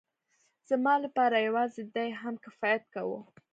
زما لپاره يوازې دې هم کفايت کاوه.